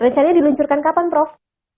rencana diluncurkan kapan prof